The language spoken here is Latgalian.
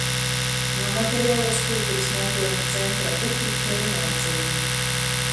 Namaterialuos kulturys montuojuma centra “Upīte” renovaceja.